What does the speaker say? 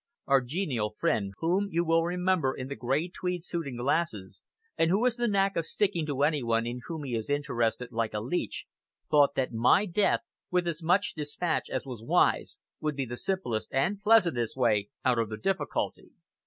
Our genial friend, whom you will remember in the grey tweed suit and glasses, and who has the knack of sticking to any one in whom he is interested like a leech, thought that my death, with as much dispatch as was wise, would be the simplest and pleasantest way out of the difficulty.